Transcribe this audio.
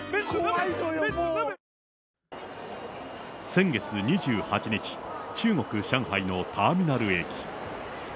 先月２８日、中国・上海のターミナル駅。